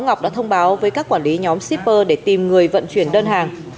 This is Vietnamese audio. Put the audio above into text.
ngọc đã thông báo với các quản lý nhóm shipper để tìm người vận chuyển đơn hàng